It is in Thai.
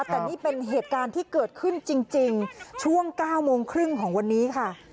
แต่นี่เป็นเหตุการณ์ที่เกิดขึ้นจริงช่วง๙โมงครึ่งของวันนี้ค่ะ